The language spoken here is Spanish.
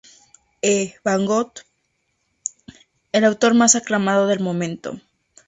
E. van Vogt, el autor más aclamado del momento.